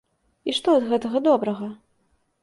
І што ад гэтага добрага?